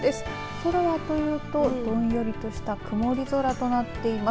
空はというと、どんよりとした曇り空となっています。